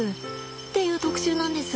っていう特集なんです。